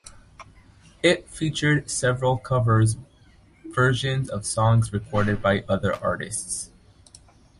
It featured several covers versions of songs recorded by other artists.